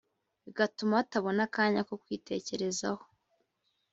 bigatuma batabona akanya kokwitecyerzaho